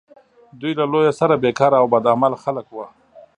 دوی له لویه سره بیکاره او بد عمله خلک وه.